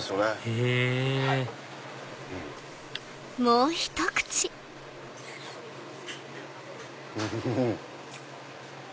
へぇウフフ！